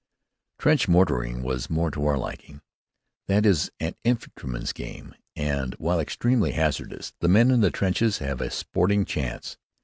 Trench mortaring was more to our liking. That is an infantryman's game, and, while extremely hazardous, the men in the trenches have a sporting chance.